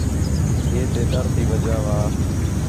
ہے تے ڈر تی وجہ وا